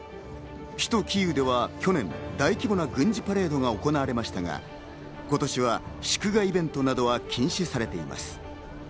首都キーウでは去年、大規模な軍事パレードが行われましたが、今年は祝賀イベントなどは禁止されています。